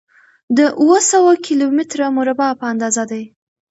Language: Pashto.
د اووه سوه کيلو متره مربع په اندازه دی.